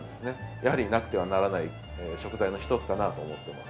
やはりなくてはならない食材の一つかなと思ってます。